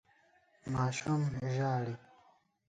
ماشوم ژاړي.